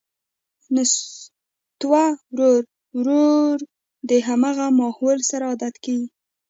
نستوه ورو ـ ورو د همغه ماحول سره عادت کېږي.